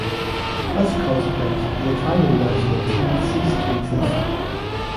As a consequence the Italian national team ceased to exist.